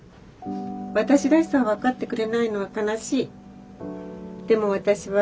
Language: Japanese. わたしらしさをわかってくれないのはかなしい」。